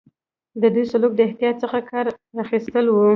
د دوی سلوک د احتیاط څخه کار اخیستل وو.